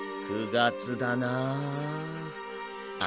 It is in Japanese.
９月だなあ。